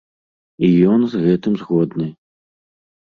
І ён з гэтым згодны.